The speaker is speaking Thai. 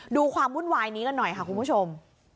ดูความวุ่นวายนี้กันหน่อยค่ะคุณผู้ชม